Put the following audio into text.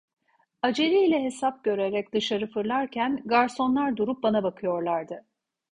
Acele ile hesap görerek dışarı fırlarken, garsonlar durup bana bakıyorlardı.